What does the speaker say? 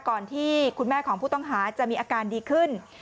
ก่อนที่คุณแม่ของผู้ต้องหาจะมีอาการดีขึ้น